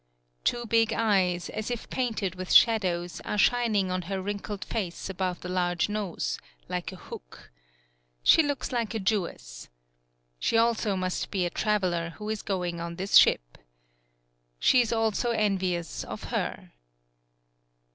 Two big eyes, as if painted with shad ows, are shining on her wrinkled face above the large nose, like a hook. She looks like a Jewess. She also must be a traveler who is going on this ship. She is also envious of her.